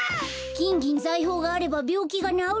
きんぎんざいほうがあればびょうきがなおるの？